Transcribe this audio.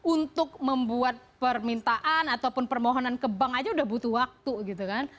untuk membuat permintaan ataupun permohonan ke bank aja udah butuh waktu gitu kan